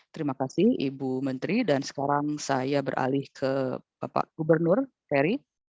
terima kasih ibu menteri dan sekarang saya beralih ke bapak gubernur ferry